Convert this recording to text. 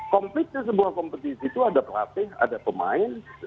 komplitnya sebuah kompetisi itu ada pelatih ada pemain